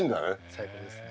最高ですね。